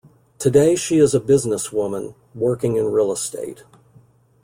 Today she is a businesswoman working in real estate.